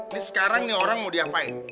ini sekarang nih orang mau diapain